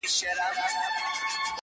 د بېګانه وو مزدوران دي په پیسو راغلي-